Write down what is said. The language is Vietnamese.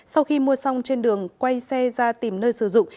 sau khi mua xong trên đường quay xe ra tìm nơi sử dụng